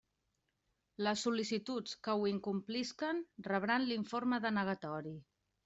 Les sol·licituds que ho incomplisquen rebran l'informe denegatori.